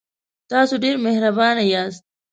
تاسو ډیر مهربانه یاست.